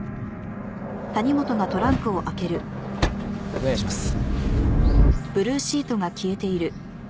お願いします。